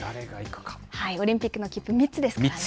オリンピックの切符、３つですからね。